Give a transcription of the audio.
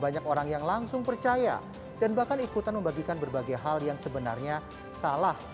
banyak orang yang langsung percaya dan bahkan ikutan membagikan berbagai hal yang sebenarnya salah